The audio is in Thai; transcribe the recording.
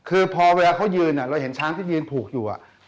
คือพอเวลาเขายืนเราเห็นช้างที่ยืนผูกอยู่